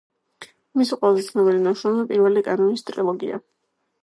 მისი ყველაზე ცნობილი ნაშრომია „პირველი კანონის“ ტრილოგია.